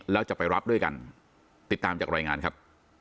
แล้วจะไปรับด้วยกันติดตามจากรายงานครับ